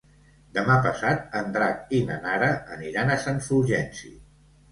Demà passat en Drac i na Nara aniran a Sant Fulgenci.